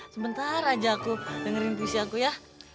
sebentar aja aku dengerin puisi aku ya